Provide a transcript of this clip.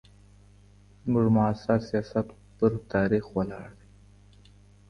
زموږ معاصر سیاست په تاریخ ولاړ دی.